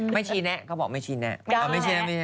ไม่ชี้แนะก็บอกไม่ชี้แนะ